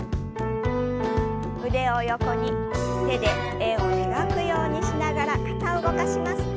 腕を横に手で円を描くようにしながら肩を動かします。